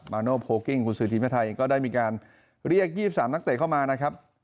มาโนโพลกิ้งคุณสื่อทีมชาติไทยก็ได้มีการเรียกยี่สิบสามนักเตะเข้ามานะครับ